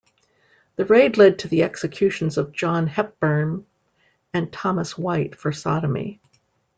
The raid led to the executions of John Hepburn and Thomas White for sodomy.